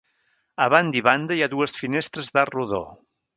A banda i banda hi ha dues finestres d'arc rodó.